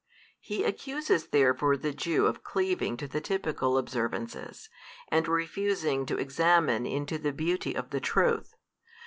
He accuses therefore the Jew of cleaving to the typical |363 observances, and refusing to examine into the beauty of the Truth.